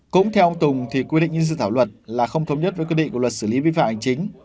cũng theo ông tùng thì quy định như dự thảo luật là không thống nhất với quy định của luật xử lý vi phạm hành chính